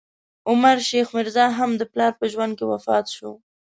عمر شیخ میرزا، هم د پلار په ژوند کې وفات شو.